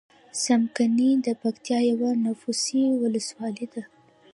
څمکنی دپکتیا یوه نفوسې ولسوالۍ ده.